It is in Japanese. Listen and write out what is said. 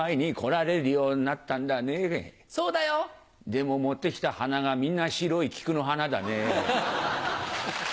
でも持ってきた花がみんな白い菊の花だね。